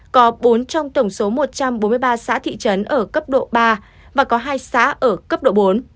có bốn trong tổng số một trăm bốn mươi ba xã thị trấn ở cấp độ ba và có hai xã ở cấp độ bốn